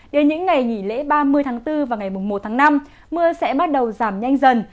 đến những ngày nghỉ lễ ba mươi tháng bốn và ngày một tháng năm mưa sẽ bắt đầu giảm nhanh dần